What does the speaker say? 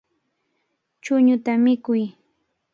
Chuñuta mikuy.